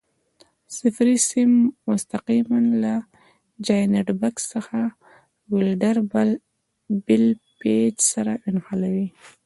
صفري سیم مستقیماً له جاینټ بکس څخه د ولډر بل پېچ سره ونښلوئ.